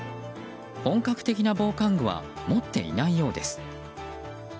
本格的な防寒具は持っていないようです。